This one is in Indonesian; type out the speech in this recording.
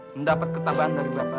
mendapat ketabahan dari bapak